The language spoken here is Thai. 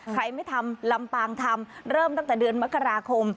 ไม่ทำลำปางทำเริ่มตั้งแต่เดือนมกราคม